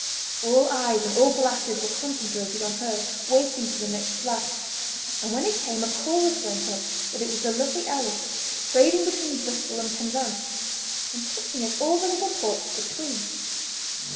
All eyes and all glasses were concentrated on her, waiting for the next flash, and when it came a chorus went up that it was the Lovely Alice, trading between Bristol and Penzance, and touching at all the little ports between.